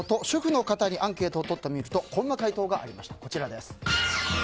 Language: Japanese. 主婦の方にアンケートをとってみるとこんな回答がありました。